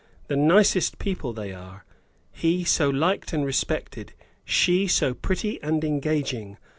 The nicest people they are; he so liked and respected; she so pretty and engaging.